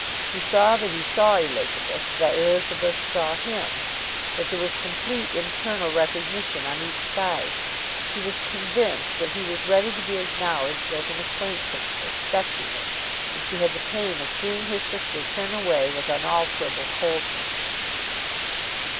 She saw that he saw Elizabeth, that Elizabeth saw him, that there was complete internal recognition on each side; she was convinced that he was ready to be acknowledged as an acquaintance, expecting it, and she had the pain of seeing her sister turn away with unalterable coldness.